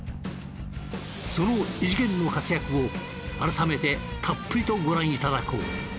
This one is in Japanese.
その異次元の活躍を改めてたっぷりとご覧いただこう。